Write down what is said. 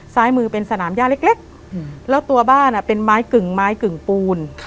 ซ้ายมือเป็นสนามย่าเล็กแล้วตัวบ้านเป็นไม้กึ่งไม้กึ่งปูน